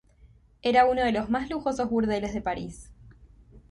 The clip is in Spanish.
Era uno de los más lujosos burdeles de París.